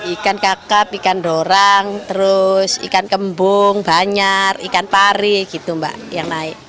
ikan kakap ikan dorang terus ikan kembung banyar ikan pari gitu mbak yang naik